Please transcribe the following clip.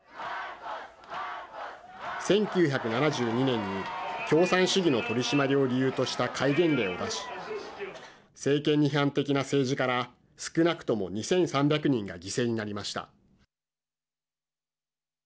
１９７２年に共産主義の取締りを理由とした戒厳令を出し政権に批判的な政治家ら少なくとも２３００人が犠牲になりました。